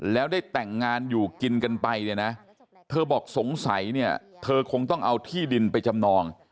แล้วได้แต่งงานอยู่กินกันไปเนี่ยนะเธอบอกสงสัยเนี่ยเธอคงต้องเอาที่ดินไปจำนอง